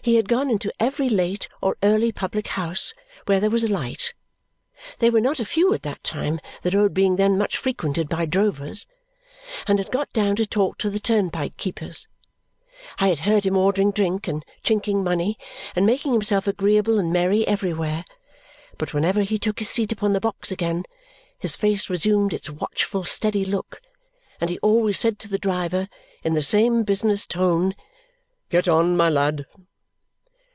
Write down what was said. He had gone into every late or early public house where there was a light (they were not a few at that time, the road being then much frequented by drovers) and had got down to talk to the turnpike keepers. I had heard him ordering drink, and chinking money, and making himself agreeable and merry everywhere; but whenever he took his seat upon the box again, his face resumed its watchful steady look, and he always said to the driver in the same business tone, "Get on, my lad!"